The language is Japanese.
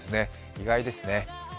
意外ですね。